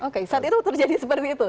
oke saat itu terjadi seperti itu